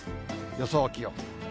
予想気温。